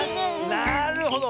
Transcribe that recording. なるほど。